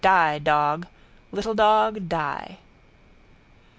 Die, dog. Little dog, die.